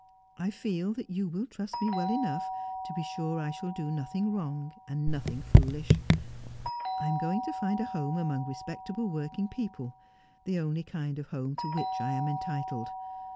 I feel that you will trust me well enough to be sure I shall do nothing wrong, and nothing foolish. I am going to find a home among respectable working people, the only kind of home to which I am entitled.